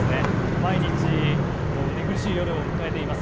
毎日、寝苦しい夜を迎えています。